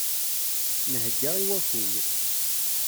Nhegga i waffug.